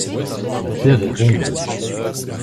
La terre est ronde.